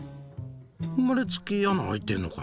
生まれつき穴開いてんのかな？